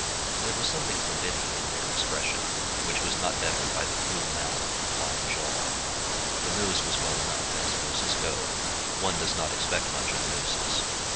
There was something forbidding in their expression, which was not bettered by the cruel mouth and wide jaw. The nose was well enough, as noses go; one does not expect much of noses.